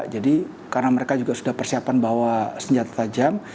jadi karena mereka juga sudah persiapan bawa senjata tajam